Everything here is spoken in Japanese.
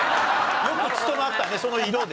よく務まったねその色で。